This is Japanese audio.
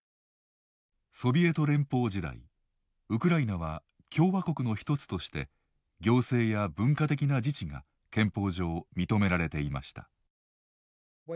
ソビエト連邦時代ウクライナは共和国の一つとして行政や文化的な自治が憲法上、認められていました。